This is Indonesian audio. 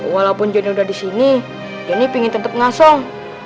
walaupun joni udah disini joni pingin tetep ngasong